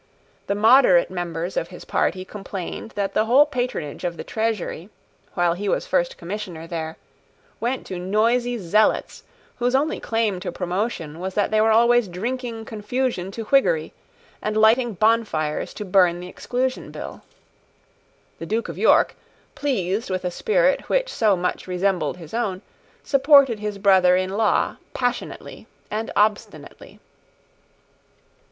The moderate members of his party complained that the whole patronage of the Treasury, while he was First Commissioner there, went to noisy zealots, whose only claim to promotion was that they were always drinking confusion to Whiggery, and lighting bonfires to burn the Exclusion Bill. The Duke of York, pleased with a spirit which so much resembled his own supported his brother in law passionately and obstinately.